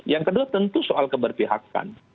yang kedua tentu soal keberpihakan